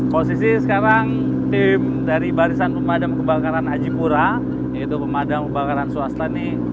posisi sekarang tim dari barisan pemadam kebakaran ajipura yaitu pemadam kebakaran swasta ini